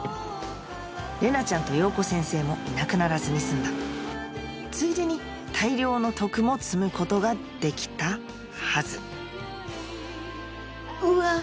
玲奈ちゃんと洋子先生もいなくならずに済んだついでに大量の徳も積むことができたはずうわ